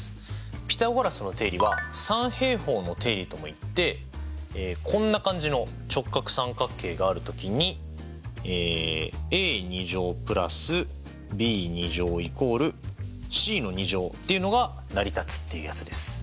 ピタゴラスの定理は三平方の定理ともいってこんな感じの直角三角形がある時にっていうのが成り立つっていうやつです。